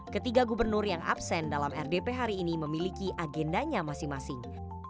ketiga gubernur yang absen dalam rdp hari ini memiliki agendanya masing masing